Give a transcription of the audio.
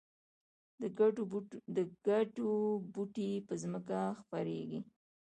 د کدو بوټی په ځمکه خپریږي